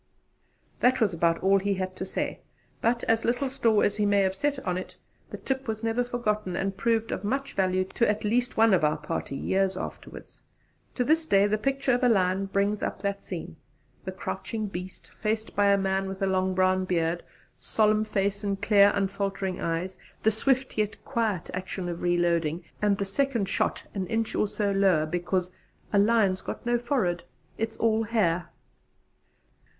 That was about all he had to say; but, little store as he may have set on it, the tip was never forgotten and proved of much value to at least one of our party years afterwards. To this day the picture of a lion brings up that scenethe crouching beast, faced with a man with a long brown beard, solemn face, and clear unfaltering eyes; the swift yet quiet action of reloading; and the second shot an inch or so lower, because a lions got no forehead: its all hair.